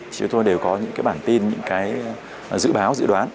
chúng tôi đều có những bản tin những dự báo dự đoán